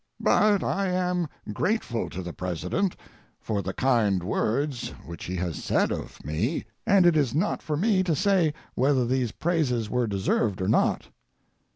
But I am grateful to the president for the kind words which he has said of me, and it is not for me to say whether these praises were deserved or not.